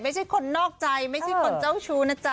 ไม่ใช่คนนอกใจไม่ใช่คนเจ้าชู้นะจ๊